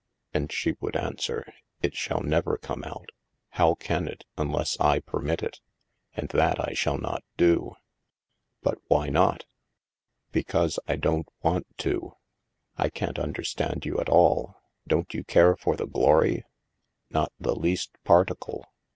And she would answer: "It shall never come out. How can it, unless I permit it? And that I shall not do." "But why not?" " Because I don't want to." " I can't understand you, at all. Don't you care for the glory ?"" Not the least particle."